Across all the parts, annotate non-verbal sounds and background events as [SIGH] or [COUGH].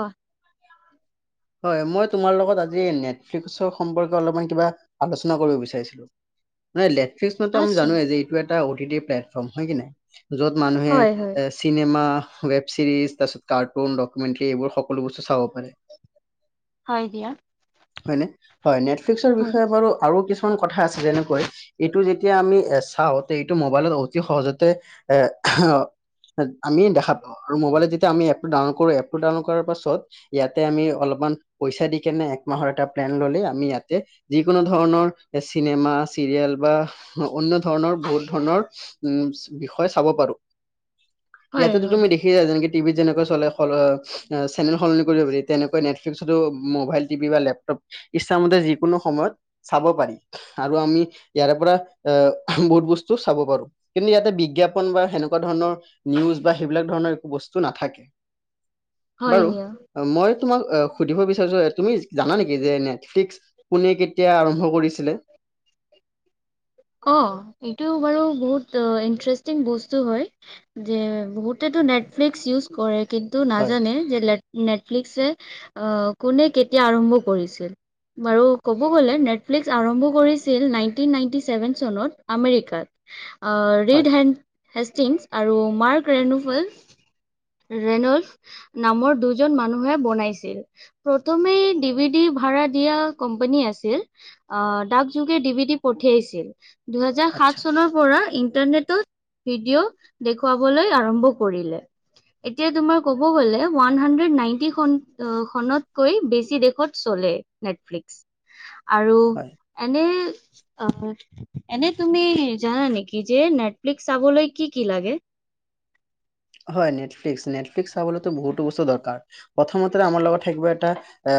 অ মই তোমাৰ লগত আজি নেটফ্লিক্সৰ কিবা আলোচনা কৰিব বিচাৰিছিলো মে নেটফ্লিস্ক মানেতো আমি আচ্ছা জানোৱে যে হয়কি নহয় যত মানুহে হয় হয়। চিনেমা ৱেব ছিৰিজ তাৰপিছত কাৰ্টুন ডকুমেণ্টেৰী এইবোৰ সকলো বস্তু চাব প হয় দিয়া হয় নে হয় নেটফ্লিক্সৰ হয় বিষয়ে বাৰু আৰু কিছুমান কথা আছে যেনেকৈ এইটো যেতিয়া আমি এ চাওঁ চ এইটো মোবাইলত অতি সহজতে এ আমিয়ে দেখা পাও আৰু মোবাইলেত যেতিয়ামি এপ ডাউনলড কৰো এপ টো ডাউনলড কৰাৰ পাছত ত ইয়াতে আমি অলপমান পইচা দি কেনে একমাহৰ এটা প্লেন ললে আমি ইয়াতে যিকোনো ধৰণৰ চিনেমা চিৰিয়েল বা অন্য ধৰণৰ বহুত ধৰণৰ উম বিষয়ে চাব পাৰো হয় ইয়াতেতো হয় তুমি দেখিবা যেনেকে টিভিত যেনেকৈ চলে হল চেনেল সলনি কৰিব পাৰি তেনেকৈ নেটফ্লিক্সতো মোবাইল টিভি বা লেপটপ ইচ্ছামতে যিকোনো সময়ত চাব পাৰি আৰু আমি ইয়াৰে পৰা আহ বহুত বস্তু চাব পাৰো কিন্তু ইয়াতে বিজ্ঞাপন বা সেনেকুৱা ধৰণৰ নিউজ বা সেইবিলাক ধৰণৰ একো বস্তু নাথাকে হয় বাৰু দিয়া। মই তোমাক সুধিব তুমি জানা নেকি যে নেটফ্লিক্স কোনে কেতিয়া আৰম্ভ কৰিছিলে অঁ এইটো বাৰু বহুত অ ইণ্টাৰেষ্টিং বস্তু হয় যে বহুতেতো নেটফ্লিক্স ইউজ কৰে কিন্তু হয় নাজানে যে নেটফিক্স এ অ কোনে কেতিয়া আৰম্ভ কৰিছিল বাৰু ক'ব গ'লে নেটফ্লিক্স আৰম্ভ কৰিছিল নাইন টিন নাইনটি চেভেন চনত আমেৰিকাত হয় ৰিড হেন হেষ্টিংছ আৰু মাৰ্ক ৰেনুফেল ৰেনল্ভ নামৰ দুজন মানুহে বনাইছিল প্ৰথমে ডিভি ডি ভাৰা দিয়া কোম্পানী আছিল আহ ডাক যুগে ডি বি ডি পঠিয়াইছিল দুহেজাৰ আচ্ছা সাত চনৰ পৰা ইণ্টাৰনেটত ভিডিঅ' দেখুৱাবলৈ আৰম্ভ কৰিলে এতিয়া তোমাৰ কব গ'লে ওৱান হাণ্ড্ৰেড নাইনটি খন- খনতকৈ বেছি দেশত চলে নেটফ্লিক্স আৰু হয় এনে। অ' এনে তুমি জানা নেকি যে নেটফ্লিক্স চাবলৈ কি কি লাগে। হয় নেটফ্লিক্স, নেটফ্লিক্স চাবলৈতো বহুতো বস্তু দৰকাৰ প্ৰথমতে আমাৰ লগত থাকিব এটা। এ‌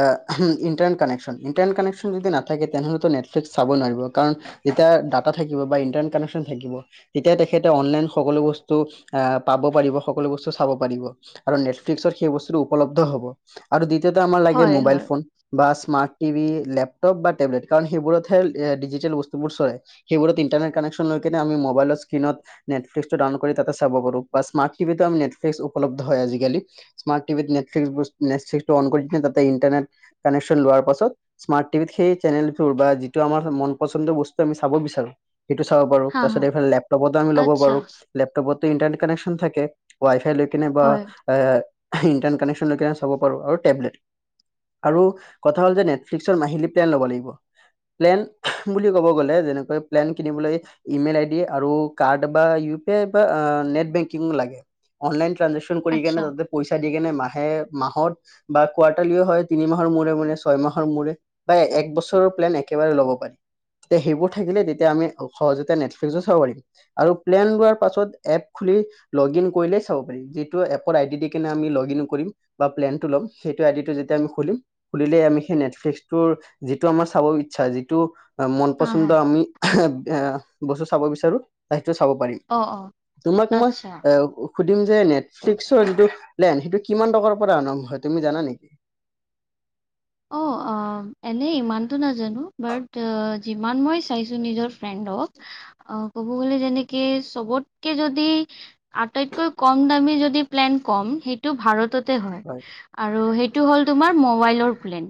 ইণ্টাৰনেট কানেকশ্যন ইণ্টাৰনেট কানেকশ্যন যদি নাথাকে তেনেহ'লেতো নেটফ্লিক্স চাব নোৱাৰিব কাৰণ যেতিয়া ডাটা থাকিব বা ইণ্টাৰনেট কানেকশ্যন থাকিব। তেতিয়া তেখেতে অনলাইন সকলো বস্তু আ পাব। পাৰিব সকলো বস্তু চাব পাৰিব আৰু নেটফ্লিকছত সেই বস্তুটো উপলব্ধ হব। আৰু দ্বিতীয়তে আমাৰ লাগে হয় মোবাইল হয়। ফোন। বা স্মাৰ্ট টিভি লেপটপ বা টেবলেট কাৰণ সেইবোৰতহে ডিজিটেল বস্তুবোৰ চলে। সেইবোৰত ইন্টাৰনেট কানেকশন লৈ কেনে আমি মোবাইলৰ স্ক্ৰীনত নেটফ্লিক্স টো ডাউনলোড কৰি তাতে চাব পাৰোঁ। বা স্মাৰ্ট টিভিতো আমি নেটফ্লিক্স উপলব্ধ হয় আজিকালি। স্মাৰ্টটিভিত নেটফ্লিক্স, নেটফ্লিক্সটো অন কৰি কেনে তাতে ইণ্টাৰনেট কানেকশ্যন লোৱাৰ পাছত। স্মাৰ্টটিভিত সেই চেনেলবোৰ বা যিটো আমাৰ মন পচন্দ বস্তু আমি চাব বিচাৰো। সেইটো চাব পাৰো হা তাৰ পাছত হা এইফালে লেপটপতো আমি ল'ব আচ্ছা পাৰো লেপটপতো ইটাৰনেট কানেকনশ্যন। থাকে, ৱাই-ফাই লৈ কিনে বা হয়। ইণ্টাৰনেট কানেকশ্যন লৈ কেনে চাব পাৰো আৰু টেবলেট। আৰু কথা হ'ল যে নেটফ্লিক্সৰ মাহিলী প্লেন ল'ব লাগিব। প্লেন বুলি ক'ব গ'লে যেনেকৈ প্লেন কিনিবলৈ। ইমেইল আইডি আৰু কাৰ্ড বা ইউ পি আই বা নেট বেং কিং লাগে অনলাইন ট্ৰেনজেচন কৰি কিনে আচ্ছা তাতে পইছা দি কিনে মাহে মাহত বা কোৱাৰ্টাৰলিও হয় তিনি মাহৰ মূৰেমূৰে ছয় মাহৰ মূৰে। বা এক বছৰৰ প্লেন একেবাৰে ল'ব পাৰি। সেইবোৰ থাকিলে তেতিয়া আমি সহজতে নেটফ্লিক্সো চাব পাৰিম। আৰু প্লেন লোৱাৰ পাছত এপ খুলি। লগ ইন কৰিলেই চাব পাৰিম যিটো এপৰ আইডি দি কেনে আমি লগ ইন কৰিম। বা প্লেনটো ল'ম সেইটো আইডিটো যেতিয়া আমি খুলিম। খুলিলে আমি সেই নেটফ্লিক্সটোৰ যিটো আমাৰ চাব ইচ্ছা যিটো। মন হা হা পচন্দৰ আমি বস্তু চাব বিচাৰো সেইটো চাব পাৰিম। অ', অ', তোমাক মই আচ্ছা। এ সুধিম যে নেটফ্লিক্সৰ যিটো প্লেন সেইটো কিমান টকাৰ পৰা আৰম্ভ হয় তুমি জানা নেকি? অ', [INAUDIBLE] অ' এনে ইমানতো নাজানো বাট যিমান মই চাইছো নিজৰ ফ্ৰেণ্ডক। অ' ক'ব গ'লে যেনেকে চবতকে যদি আটাইতকৈ কম দামী যদি প্লেন কম সেইটো ভাৰতত। তে হয় আৰু সেইটো হ'ল তোমাৰ মবাইলৰ। প্লেন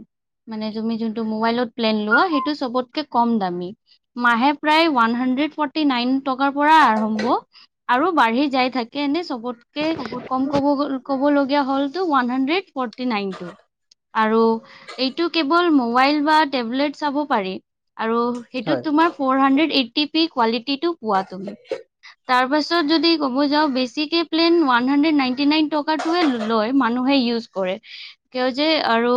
মানে তুমি জোনটো মোবাইলত প্লেন লোৱা সেইটো চবতকে কম দামী। মাহে প্ৰায় ওৱান হাণ্ড্ৰেড ফৰ্ট টি খন নাইন টকাৰ পৰা আৰম্ভ আৰু বাঢ়ি যাই থাকে এনে চবত। কেই কম কবছ্ৰ ক'বলগীয়া হ'ল টো ওৱান হাণ্ড্ৰেড ফৰ্টিনাইনটো আৰু এইটো কেৱল মোবাইল বা টেবলেট চাব পাৰি আৰু হয় সেইটোত তোমাৰ। ফ'ৰ হাণ্ড্ৰেড এইটটি পি কোৱালিটিটো পোৱা তুমি। তাৰ পাছত যদি কব যাওঁ বেছিকে plan one hundred ninety nine টকাৰ। টোৱে লয় মানুহে ইউজ কৰে কিয় যে আৰু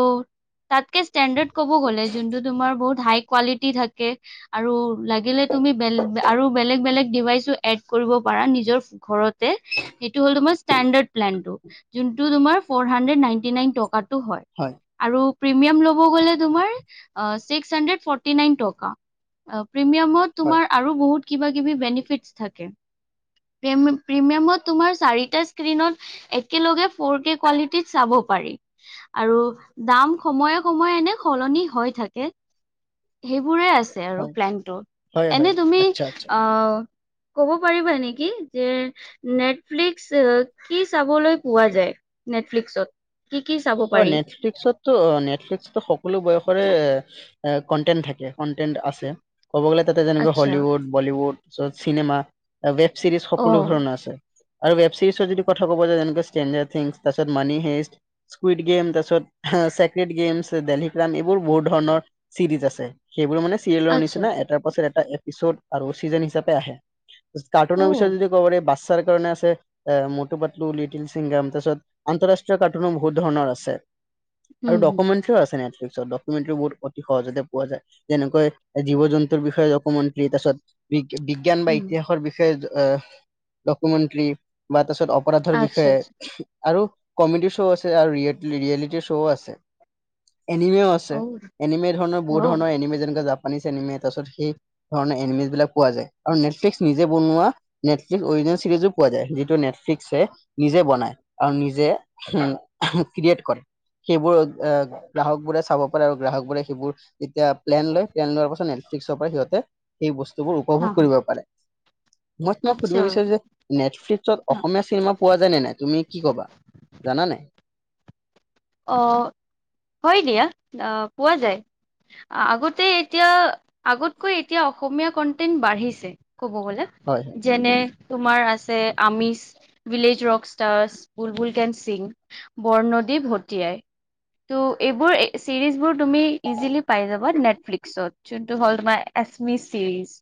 তাতকে ষ্টেনডাৰ্ড কব গ'লে জোনটো তোমাৰ বহুত হাই কোৱালিটি থাকে। আৰু লাগিলে তুমি বেল আৰু বেলেগ বেলেগ ডিভাইচো এড কৰিব পাৰা নিজৰ। ঘৰতে। সেইটো হ'ল তোমাৰ ষ্টেণ্ডাৰ্ড প্লেনটো যোনটো তোমাৰ ফৰ হাণ্ড্ৰেড নাইনটি নাইন টকাটো হয়। হয়। আৰু প্ৰিমিয়াম ল'ব গ'লে তুমাৰ আ ছিক্স হাড্ৰেড ফৰ্টি নাইন টকা। আ প্ৰিমিয়ামত হয় তোমাৰ আৰু বহুত কিবা কিবি বেনিফিটচ থাকে। প্ৰিম প্ৰিমিয়ামত তোমাৰ চাৰিটা স্ক্ৰিনত একেলগে, ফ'ৰ কে কোৱালিটিত চাব পাৰি আৰু, দাম সময়ে সময়ে এনে সলনি হৈ থাকে। সেইবোৰে আছে আৰু হয় প্লেনটো হয় হয় এনে তুমি আচ্ছা আচ্ছা আহ, ক'ব পাৰিবা নেকি যে নেটফ্লিক্স এ কি চাবলৈ পোৱা যায় নেটফ্লিক্সত, কি কি চাব অ পাৰি নেটফ্লিক্সত, ত' নেটফ্লিক্স তো সকলো বয়সৰে এ কনটেন্ট থাকে কনটেন্ট আছে। ক'ব গ'লে তাতে যেনেকে আচ্ছা হলিউড বলীউড তাৰপিছত চিনেমা বে চিৰিজ অ সকলো ধৰণৰ আছে। আৰু ৱেব ছিৰিজৰ যদি কথা কব যায় যেনেকে ষ্টেনজাৰ থিংছ তাৰপিছত মানি হেষ্ট, স্কুইড গেম তাৰ পিছত চছেক্ৰেট গেম ডেলহি ক্ৰাম এইবোৰ বহুত ধৰণৰ চিৰিজ আছে। সেইবোৰো মানে চিৰিয়েলৰ আচ্ছা নিচিনা এটাৰ পাছত এটা এপিচড আৰু চিজন হিচাপে আহে। কাৰ্টুনৰ বিষয়ে যদি ক'বাৰ এই বাচ্ছাৰ কাৰণে আছে। এ মটু পটলু লিটিল ছিংগাম তাৰপিছত আন্তঃৰাষ্ট্ৰীয় কাৰ্টুনো বহুত ধৰণৰ আছে। আৰু ডকুমেনটেৰিউ আছে নেতফিলকচত ডক, ডকুমেন্টেৰীউ বহুত সহজতে পোৱা যায় যেনেকৈ জীৱ জন্তুৰ বিষয়ে ডকুমেট তাৰিছত, বিজ্ঞান বা ইতিহাসৰ বিষয়ে ডকুমেন্টৰী বা তাৰপিছত, অপৰাধৰ আচ্ছা, বিষয়ে আচ্ছা. আৰু কমেডি শ্ব' আছে। আৰু ৰিয়ে ৰিয়েলেটিৰ শ্ব' আছে, এনিমে আছে আছে এনিমে ধৰণৰ বহুত ধৰণৰ এনিমে যেনেকুৱা জাপানিজ এনিমে তাৰপিছত সেই, ধৰণৰ এনেমিছ বিলাক পোৱা যায় আৰু নেটফ্লিক্স নিজে বনোৱা, নেটফ্লিক্সে অৰিজেনেল চিৰিজো পোৱা যায় যিটো নেটফ্লিক্সে, নিজে বনাই আৰু নিজে উ ক্ৰিয়েট কৰে সেইবোৰ আ, গ্ৰাহক বোৰে চাব পাৰে আৰু গ্ৰাহক বোৰে সেইবোৰ যেতিয়া প্লেন লয় প্লেন লোৱাৰ পাছত নেটফিক্সৰ পৰা সিহঁতে, সেই বস্তুবোৰ উপভোগ কৰিব পাৰে মই কিয় আচ্ছা। সুধিব বিচাৰো যে, নেটফ্লিক্সত আ অসমীয়া চিনেমা পোৱা যায় নে নাই তুমি কি কবা জানা নাই, অ হয় দিয়া আহ পোৱা যায়। আগতে এতিয়া, আগতকৈ এতিয়া অসমীয়া কন্টেন্ট বাঢ়িছে। ক'ব গ'লে। হয়। যেনে তোমাৰ আছে আমিছ, village rock stars Bulbul can sing, Bornodi Bhotiai. টু' এইবোৰ এই চিৰিজ বোৰ তুমি ইজিলি পাই যাবা নেটফ্লিক্সত যোনটো হ'ল তোমাৰ, এচমি চিৰিজ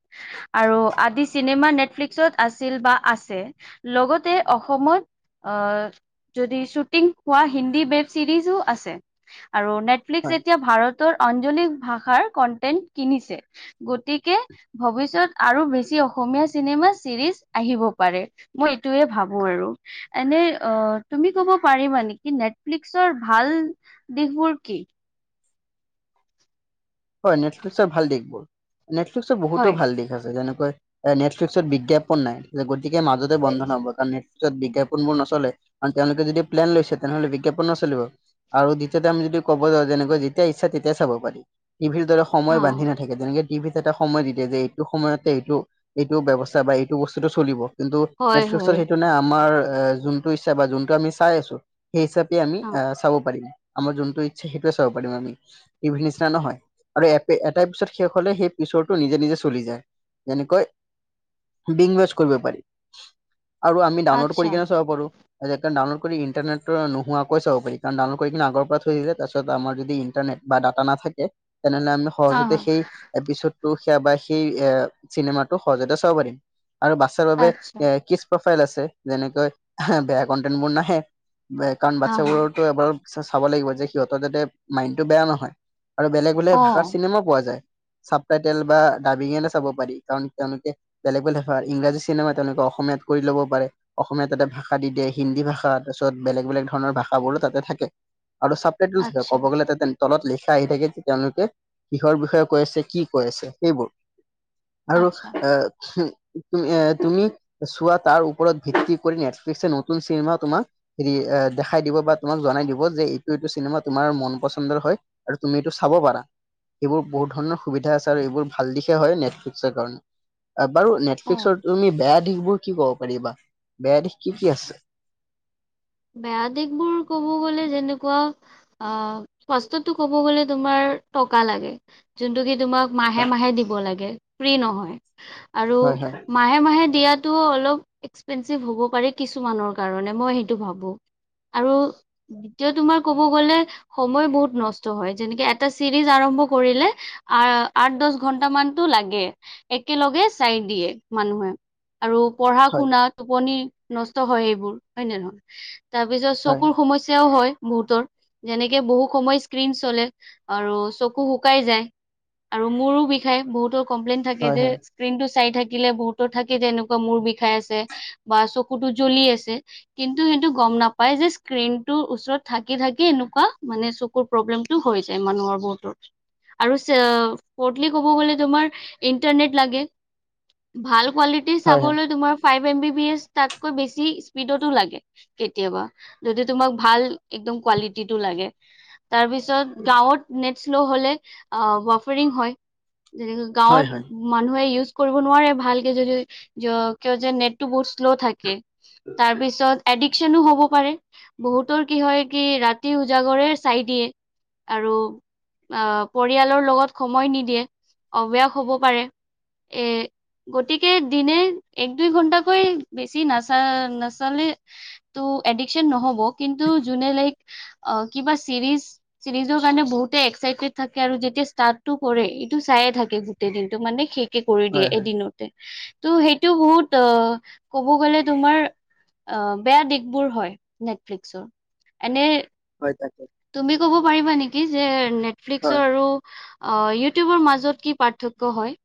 আৰু আদি চিনেমা নেটফ্লিক্সত আছিল বা আছে। লগতে অসমত আহ যদি শ্বুটিং হোৱা হিন্দী বে, চিৰিজো আছে আৰু নেটফ্লিক্স হয় যেতিয়া ভাৰত, টোৰ আঞ্জলিক ভাষাৰ কন্টেন্ট কিনিছে গতিকে, ভৱিষ্যত আৰু বেছি অসমীয়া চিনেমা চিৰিজ আহিব পাৰে। মই এইটোয়ে ভাবো আৰু এনে অ তুমি ক'ব পাৰিবা নেকি নেট, নেটফ্লিক্সৰ ভাল দিশবোৰ কি? হয়। নেটফ্লিক্সৰ ভাল দিশ বোৰ নেটফ্লিক্সৰ বহুতো হয়, ভাল দিশ আছে যেনেকৈ এ', নেটফ্লিক্সৰ বিজ্ঞাপন নাই যে, গতিকে মাজতে বন্ধ ন হ'ব কাৰণ পিছত বিজ্ঞাপন বোৰ নচলে আৰু তেওঁলোকে যদি প্লেন লৈছে। তেনেহলে বিজ্ঞাপন নচলিব। আৰু দ্বিতীয়তে আমি যদি ক'ব যাওঁ যেনেকৈ যেতিয়া ইচ্ছা তেতিয়াই চাব পাৰি টিভিৰ দৰে সময় হা, বান্ধি নাথাকে। থাকে যেনেকে টিভিত এটা সময় দি দিয়ে যে, এইটো সময়তে এইটো এইটো বয়ৱস্থা বা এইটো বস্তুতটো চলিব। কিন্তু হয়, নেটফ্লিক্সত হয়, সেইটো নাই। আমাৰ যোনটো ইচ্ছা বা যোনটো আমি চাই আছো। সেই হিচাপে আমি হা, আহ চাব পাৰিম। আমাৰ যোনটো ইচ্ছা সেইটোৱে চাব পাৰিম আমি টিভি নিচিনা নহয়। আৰু এ, এটা ইপিষদ শেষ হলে, সেই পিছৰটো নিজে নিজে চলি যায়। যেনেকৈ [UNINTELLIGIBLE] কৰিব পাৰি আৰু আমি ডাউনলোড আচ্ছা, কৰি কিনে চাব পাৰো। [UNINTELLIGIBLE] কাৰণাউলোড কৰি ইণ্টনেত নোহোৱাকৈ চাব পিণ ডাউনলড কৰি কিনে আগৰ পৰা থৈছিলে তাৰপছত আমাৰ যদি ইণ্টাৰনেট বা ডাটা নাথাকে। তেনেহলে আমি হা, হা, সহজতে সেই এপিছতটো সেয়া বা সেই এ চিনেমাটো সহজতে চাব প দিম আৰু বা বাবে আচ্ছা, এ, কিসুমন প্ৰফাইল আছে। যেনেকৈ বেয়া কন্টেনট বোৰ নাহে। কাৰণ হা, হা। বাচ্ছাবোৰৰো এবাৰ চাব লাগিব যে, সিহঁতৰ যতে মাইণ্ড টো বেয়া নহয় আৰু বেলেগ বলেগ ভাষাৰ অ', চিনেমা পোৱা যায়। চাব টাইটেল বা ডাবিঙেটা চাব পাৰি কাৰণ তেওঁলোকে বেলেগ বেলেগ ইংৰাজী চিনেমা তেওঁলোকে অসমীয়াত কৰি ল'ব পাৰে। অসমীয়াত তাতে ভাষা দি দিয়ে। হিন্দী ভাষা তাৰপিছত বেলেগ বেলেগ ধৰণৰ ভাষাবোৰো তাতে থাকে, আৰুচাপ থাকে, আচ্ছা, ক'ব গ'লোতে তলত লেখা আহি থাকে যে, তেওঁলোকে কিহৰ বিষয়ে কৈ আছ? কি কৈ আছে? সেইবোৰ আৰু আচ্ছা, এ এ', তুমি চোৱা তাৰ ওপৰত ভিত্তি কৰি ন নতুন চিনেমা তোমা হেৰি দেখাই দিব বা তোমাক জনাই দিব যে এইটো এইটো চিনেমা তোমাৰ মন পচন্দৰ হয়। আৰু তুমি এইটো চাব পাৰা এইবোৰ বহুত ধৰণৰ সুবিধা আছে। আৰু এইবোৰ ভাল দিশে হয়। নেটফ্লিক্সৰ কাৰণে বাৰু নেটফ্লিক্সৰ অ', তুমি বেয়া দিশ বোৰ কি ক'ব পাৰিবা বেয়া দিশ কি কি আছে? বেয়া দিশ বোৰ ক'ব গ'লে যেনেকুৱা অ', [UNINTELLIGIBLE] টো ক'ব গলে তুমাৰ টকা লাগে। যোনটো কি তোমাক মাহে মাহে দিব লাগে। ফ্ৰী নহয় আৰু হয় হয় মাহে মাহে দিয়াতটো অলপ এক্সপেঞ্চিভ হ'ব পাৰে। কিছুমানৰ কাৰণে মই টো ভাবো আৰু দ্বিতীয় তোমাৰ ক'ব গলে সময় বহুত নষ্ট হয়, যেনেকে এটা চিৰিজ আৰম্ভ কৰিলে আহ আঠ দহ ঘন্টা মানতটো লাগে একেলগে চাই দিয়ে মানুহে। আৰু পঢ়া হয় শুনা টোপনি নষ্ট হয়। এইবোৰ হয় নে নহয়। তাৰ পিছত হয় চকুৰ সমস্যয়াও হয়। বহুতৰ যেনেকে স্ক্ৰীন চলে আৰু চকু শুকাই যায়। আৰু মোৰো বিষায় বহুতো কমপ্লেইন থাকে হয় যে স্ৰিন টো চাই থাকিলে বহুতো থাকে যেনেকুৱা মূৰ বিষাই আছে। বা চকুতটো জ্বলি আছে। কিন সেইটো গম নাপাই যে স্ক্ৰীনটোৰ ওচৰত থাকি থাকি এনেকুৱা মানে চকুৰ প্ৰব্লেমটো হৈ যায়। মানুহৰ বহুতৰ আৰু ফৰ্থলী কব গলে তোমাৰ ইণ্টাৰনেট লাগে। ভাল কোৱালিটি হয় হয় চাবলৈ তোমাৰ five M B B S তাতকৈ বেছি স্পীডতো লাগে। কেতিয়াবা যদি তোমাক ভাল একদম কোৱালিটিটো লাগে। তাৰপিছত গাঁৱত নেট শ্ল' হ'লে ৱাফাৰিং হয়। যেনে হয় হয় হয় গাঁৱত। মানুহে ইউজ কৰিব নোৱাৰে, ভালকে যদি কিয় যে নেটটো বহুত শ্ল' থাকে তাৰপিছত এডিকচনো হ'ব পাৰে, বহুতৰ কি হয় কি ৰাতি উজাগৰে চাই দিয়ে। আৰু। অ' পৰিয়ালৰ লগত সময় নিদিয়ে, অভ্যাস হ'ব পাৰে। এ গতিকে দিনে এক দুই ঘণ্টাকৈ বেছি নাচা নাচালে ত' এডিকশ্যন নহ'ব কিন্তু যোনে লাইক কিবা ছিৰিজ চিৰিজৰ কাৰণে বহুতে এক্সাইটেড থাকে, আৰু যেতিয়া ষ্টাৰ্টটো কৰে এইটো চাইয়ে থাকে। গোটেই দিনটো মানে কে কৰি দিয়ে হয় হয় এদিনতে। তো সেইটো বহুতেই ক'ব গ'লে তোমাৰ বেয়া দিশ বোৰ হয় নেটফ্লিক্সৰ। হয়, তাকে। তুমি ক'ব পাৰিবা নেকি যে নেটফ্লিক্সৰ হয়। আৰু ইউটিউবৰ মাজত কি পাৰ্থক্য হয়?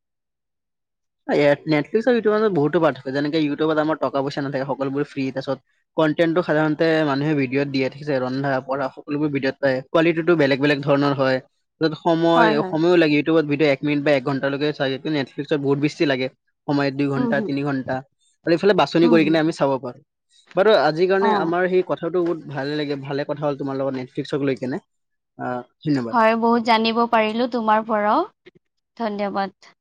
নেটফ্লিক্সৰ আৰু ইউটিউবৰ ৰ মাজত বহুত পাৰ্থক্য আছে। যেনে, ইউটিউবৰত আমাৰ টকা পইছা নাথাকে সকলোবোৰ ফ্ৰী। তাৰপিছত কণ্টেন্টটো সাধাৰণতে মানুহে ভিডিঅ'ত দিয়ে থাকে, ৰন্ধা বঢ়া সকলোবোৰ ভিডিঅ'ত পায় থাকো। কোৱালিটিটো বেলেগ বেলেগ ধৰণৰ হয়। তাত সময় হয় হয় সময়ইও লাগে ইউটউবত ভিডিঅ এক মিনিট বা এক ঘণ্ট লৈকে চাই। নেটফ্লিক্সৰ ত বহুত বেছি লাগে। সময়ত দুই উম ঘণ্টা, হুম তিনি ঘণ্টা আৰু এইফালে বাছনি উম কৰি হুম। কিনে আমি চাব পাৰোঁ। বাৰু আজিৰ কাৰণে অ' আমাৰ হি কথাটো বহুত ভালে লাগে ভালে কথা হ'ল তোমাৰ লগত নেটফ্লিক্সক লৈ কিনে। আহিলো [UNINTELLIGIBLE] হয়, বহুত কথা জানিব পাৰিলো তোমাৰ পৰা ধন্যবাদ।